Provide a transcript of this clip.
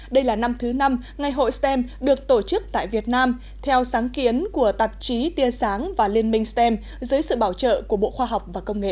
đây là năm thứ năm ngày hội stem được tổ chức tại việt nam theo sáng kiến của tạp chí tiên sáng và liên minh stem dưới sự bảo trợ của bộ khoa học và công nghệ